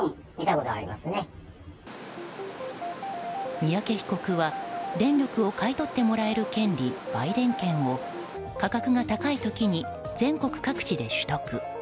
三宅被告は、電力を買い取ってもらえる権利売電権を価格が高い時に全国各地で取得。